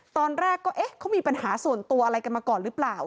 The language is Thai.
ตอนแรกก็เอ๊ะเขามีปัญหาส่วนตัวอะไรกันมาก่อนหรือเปล่า